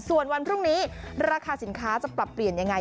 ส่วนวันพรุ่งนี้ราคาสินค้าจะปรับเปลี่ยนยังไง